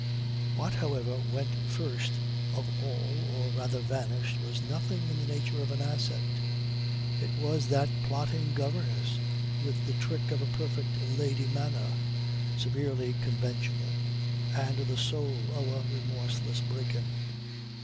What however went first of all or rather vanished was nothing in the nature of an asset. It was that plotting governess with the trick of a "perfect lady" manner (severely conventional) and the soul of a remorseless brigand.